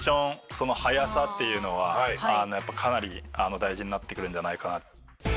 その速さっていうのはやっぱかなり大事になってくるんじゃないかな。